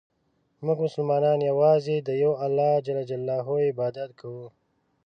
مونږ مسلمانان یوازې د یو الله ج عبادت کوو.